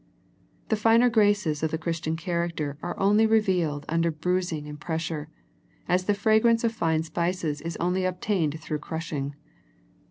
The finer graces of the Christian character are only revealed under bruising and pressure, as the fragrance of fine spices is only obtained through crushing.